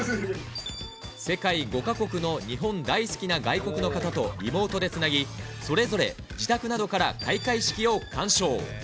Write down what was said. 世界５か国の日本大好きな外国の方とリモートでつなぎ、それぞれ自宅などから開会式を鑑賞。